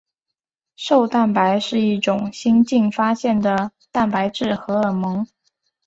瘦蛋白是一种新近发现的蛋白质荷尔蒙。